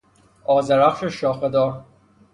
آذرخش شاخهدار